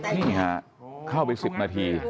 นี่ค่ะเข้าไปสิบนาที